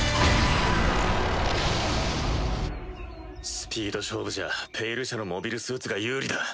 スピード勝負じゃ「ペイル社」のモビルスーツが有利だ。